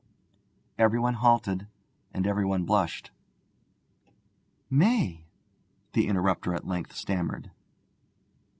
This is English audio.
Everyone halted and everyone blushed. 'May!' the interrupter at length stammered.